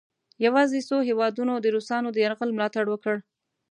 یواځې څو هیوادونو د روسانو د یرغل ملا تړ وکړ.